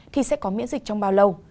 thì sẽ có miễn dịch trong bao lâu